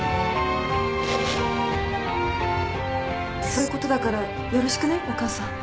そういうことだからよろしくねお母さん。